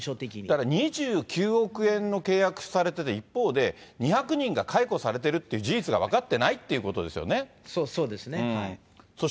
だから２９億円の契約されてて、一方で２００人が解雇されてるっていう事実が分かってないっていそうですね。